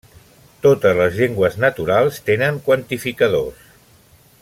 Totes les llengües naturals tenen quantificadors.